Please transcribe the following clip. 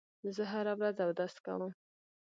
زه هره ورځ اودس کوم.